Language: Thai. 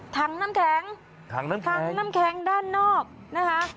ถังน้ำแข็งถังน้ำแข็งด้านนอกนะคะ